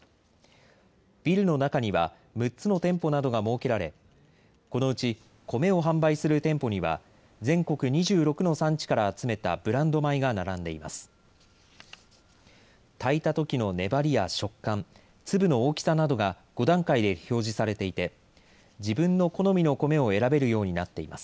ビルの中には６つの店舗などが設けられこのうちコメを販売する店舗には全国２６の産地から集めたブランド米が並んでいます。